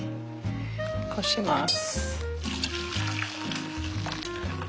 こします。